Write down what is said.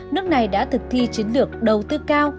nước này đã thực thi chiến lược đầu tư cao